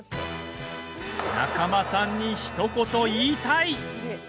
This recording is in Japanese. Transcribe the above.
仲間さんにひと言、言いたい！